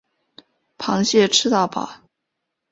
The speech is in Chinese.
螃蟹吃到饱